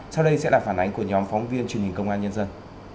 sau đây sẽ là phản ánh của nhóm phóng viên truyền hình công an nhân dân